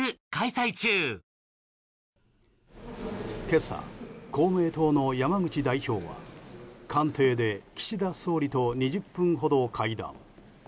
今朝、公明党の山口代表は官邸で岸田総理と２０分ほど会談。